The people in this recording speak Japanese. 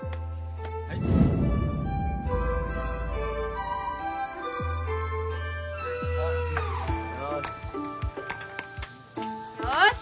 はいよし・